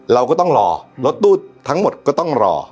เราก็ต้องรอรถตู้ทั้งหมดก็ต้องรอ